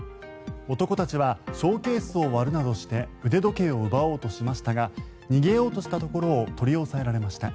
男たちはショーケースを割るなどして腕時計を奪おうとしましたが逃げようとしたところを取り押さえられました。